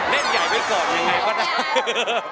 เล่นใหญ่ไว้ก่อนยังไงก็ได้